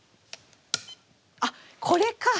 あっこれか！